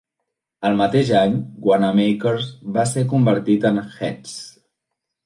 El mateix any, Wanamaker's va ser convertit en Hecht's.